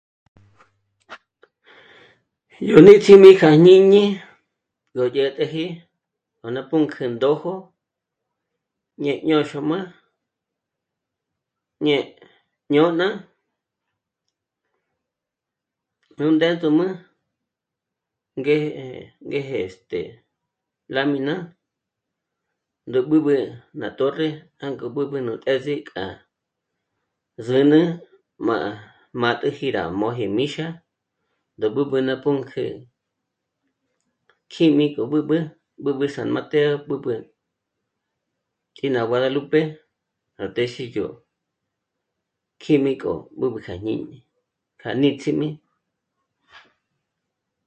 Yó níts'imi kja jñíñi gó dyä̀t'äji ngó ná pǔnk'ü ndójo ñé' ñóxôma ñé... jñôna nú ndéndzuma ngé... ngéje este... lámina gú b'ǚb'ü ná torre jângo b'ǚb'ü nú tés'i k'a ná zǚnü má m'átüji rá móji míxa ndá b'ǚb'ü ná pǔnk'ü kjǐmi k'o b'ǚb'ü, b'ǚb'ü San Mateo, b'ǚb'ü kí ná Guadalupe ná téxi yó kjǐmi k'o b'ǚb'ü kja jñíñi k'a níts'imi